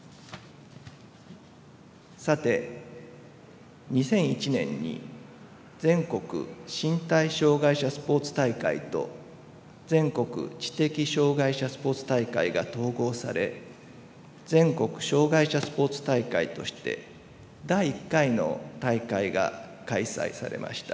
さて、２００１年に「全国身体障害者スポーツ大会」と「全国知的障害者スポーツ大会」が統合され「全国障害者スポーツ大会」として第１回の大会が開催されました。